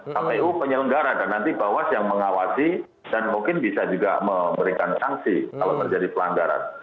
kpu penyelenggara dan nanti bawas yang mengawasi dan mungkin bisa juga memberikan sanksi kalau terjadi pelanggaran